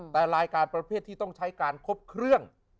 แต่รายการประเภทที่ต้องใช้การครบเครื่อง